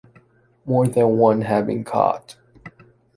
More than one had been caught.